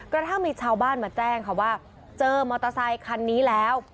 กระทั่งมีชาวบ้านมาแจ้งค่ะว่าเจอมอเตอร์ไซคันนี้แล้ว